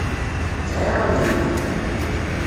Sɛiɣ amrig.